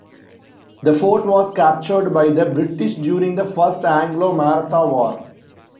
The fort was captured by the British during the First Anglo-Maratha War.